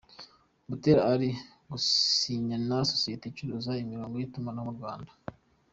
Butera Ari Gusinyana nasosiyete icuruza Imirongo yitumanaho Rwanda